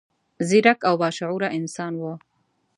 ځیرک او با شعوره انسان و.